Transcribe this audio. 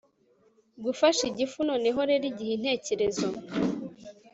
gufasha igifu noneho rero igihe intekerezo